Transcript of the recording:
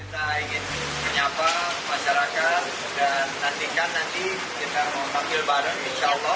kita ingin menyapa masyarakat dan nantikan nanti kita mau panggil bareng insya allah